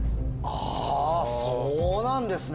あぁそうなんですね